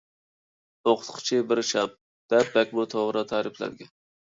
«ئوقۇتقۇچى بىر شام» دەپ بەكمۇ توغرا تەرىپلەنگەن.